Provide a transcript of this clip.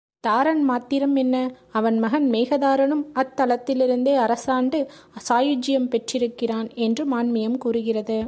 தாரன் மாத்திரம் என்ன அவன் மகன் மேகதாரனும் அத் தலத்திலிருந்தே அரசாண்டு சாயுஜ்ஜியம் பெற்றிருக்கிறான் என்று மான்மியம் கூறுகிறது.